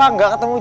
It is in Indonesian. juga jangan ketemu